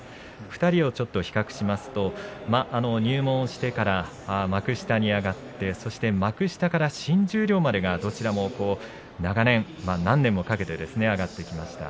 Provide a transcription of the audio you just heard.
２人を比較しますと入門してから幕下に上がってそして、幕下から新十両までどちらも長年何年もかけて上がってきました。